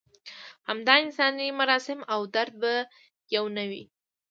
همدا انساني مراسم او درد به یو نه و.